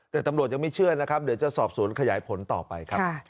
แต่ตำรวจยังไม่เชื่อเดี๋ยวจะสอบศูนย์ขยายผลต่อไป